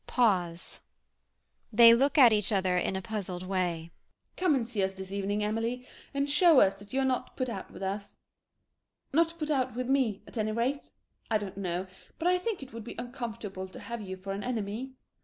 [Pause. They look at each other in a puzzled way.] MME. X. Come and see us this evening, Amelie, and show us that you're not put out with us, not put out with me at any rate. I don't know, but I think it would be uncomfortable to have you for an enemy.